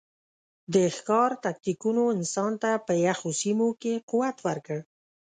د ښکار تکتیکونو انسان ته په یخو سیمو کې قوت ورکړ.